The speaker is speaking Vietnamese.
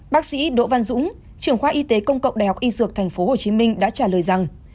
bác sĩ đỗ văn dũng trưởng khoa y tế công cộng đại học y dược tp hcm đã trả lời rằng